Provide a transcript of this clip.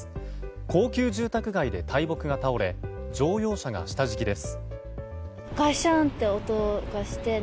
高級住宅街で大木が倒れ乗用車が下敷きです。